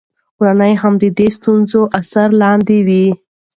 کورنۍ هم د دې ستونزو اثر لاندې وي.